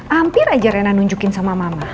hampir aja rena nunjukin sama mama